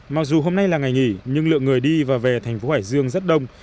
mặc dù hôm nay là ngày nghỉ nhưng lượng người đi và về thành phố hải dương rất đông